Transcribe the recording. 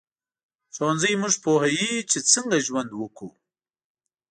ښوونځی موږ پوهوي چې څنګه ژوند وکړو